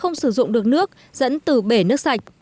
không sử dụng được nước dẫn từ bể nước sạch